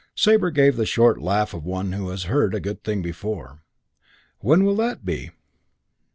Sabre gave the short laugh of one who has heard a good thing before. "When will that be?"